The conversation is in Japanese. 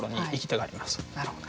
なるほど。